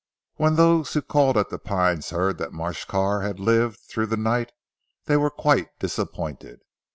When those who called at 'The Pines' heard that Marsh Carr had lived through the night, they were quite disappointed.